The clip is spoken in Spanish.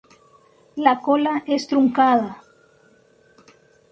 La cola es truncada.